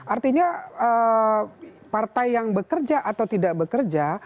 artinya partai yang bekerja atau tidak bekerja